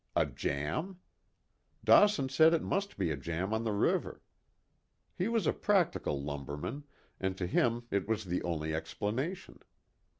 A jam? Dawson said it must be a jam on the river. He was a practical lumberman, and to him it was the only explanation.